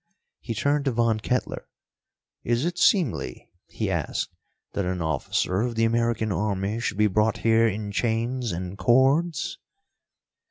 He turned to Von Kettler. "Is it seemly," he asked, "that an officer of the American army should be brought here in chains and cords?"